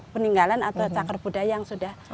peninggalan atau cakar budaya yang sudah kita cita cita